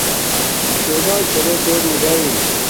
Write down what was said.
شوناک چھا بے تے موباݵل